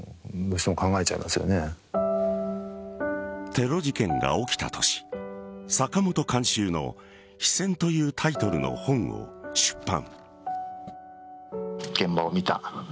テロ事件が起きた年坂本監修の「非戦」というタイトルの本を出版。